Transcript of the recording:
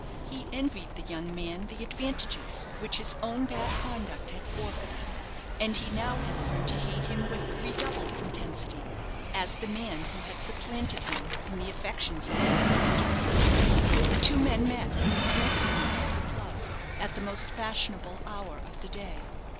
He envied the young man the advantages which his own bad conduct had forfeited; and he now had learned to hate him with redoubled intensity, as the man who had supplanted him in the affections of Paulina Durski. The two men met in the smoking room of the club at the most fashionable hour of the day.